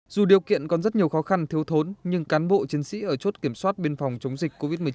dù điều kiện còn rất nhiều khó khăn thiếu thốn nhưng cán bộ chiến sĩ ở chốt kiểm soát biên phòng chống dịch covid một mươi chín